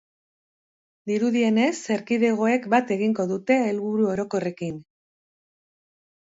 Dirudienez, erkidegoek bat egingo dute helburu orokorrekin.